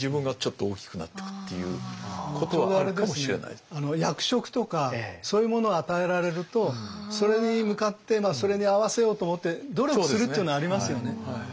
そうするとまた役職とかそういうものを与えられるとそれに向かってそれに合わせようと思って努力するっていうのはありますよね。